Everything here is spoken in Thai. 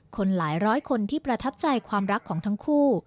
คนหลายร้อยคนที่ประทับใจความรักของทั้งคู่